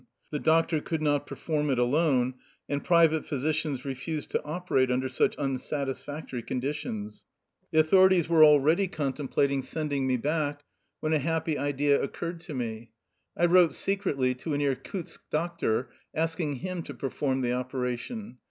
The doctor could not per form it alone, and private physicians refused to operate under such unsatisfactory conditions. The authorities were already contemplating 196 THE LIFE STOEY OF A RUSSIAN EXILE sending me back when a bappy idea occurred to me. I wrote secretly to an Irkutsk doctor ask ing bim to perform the operation.